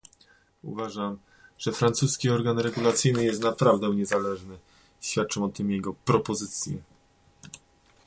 Uważam, że francuski organ regulacyjny jest naprawdę niezależny - świadczą o tym jego propozycje